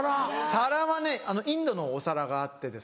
皿はねインドのお皿があって。